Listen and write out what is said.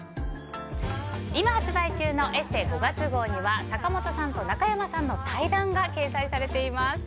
今、発売中の「ＥＳＳＥ」５月号には坂本さんと中山さんの対談が掲載されています。